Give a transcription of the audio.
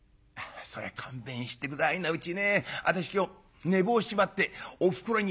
「そりゃ勘弁して下はいなうちね私今日寝坊しちまっておふくろにダン！